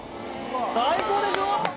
最高でしょ？